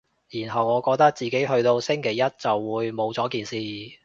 然後我覺得自己去到星期一就會冇咗件事